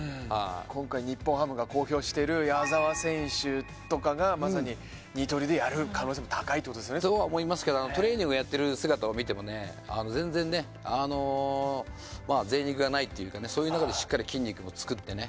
今回、日本ハムが公表している矢澤選手とかがまさに二刀流でやる可能性が高いってことですね。とは思いますけど、トレーニングやってる姿を見ても全然、贅肉がないというかそういう中でしっかり筋肉を作ってね